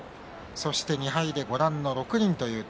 そして２敗で、ご覧の６人です。